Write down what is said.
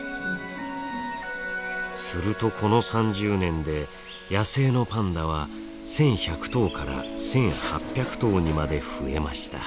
するとこの３０年で野生のパンダは１，１００頭から１，８００頭にまで増えました。